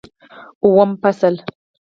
اووم فصل